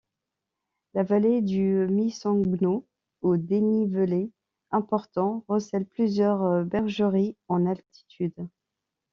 La vallée du Misongno au dénivelé important, recèle plusieurs bergeries en altitude.